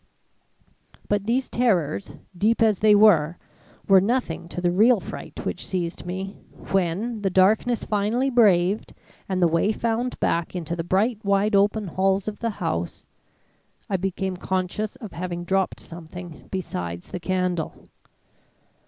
"But these terrors, deep as they were, were nothing to the real fright which seized me when, the darkness finally braved, and the way found back into the bright, wide open halls of the house, I became conscious of having dropped something besides the candle.